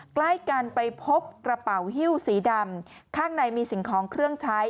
ใกล้กันไปพบกระเป๋าฮิ้วสีดำข้างในมีสิ่งของเครื่องใช้